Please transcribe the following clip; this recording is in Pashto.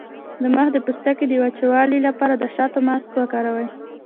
د مخ د پوستکي د وچوالي لپاره د شاتو ماسک وکاروئ